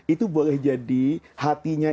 itu boleh jadi hatinya